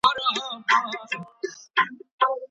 لاس لیکنه د کلتوري ارزښتونو یوه برخه ده.